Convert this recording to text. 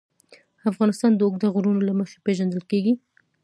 افغانستان د اوږده غرونه له مخې پېژندل کېږي.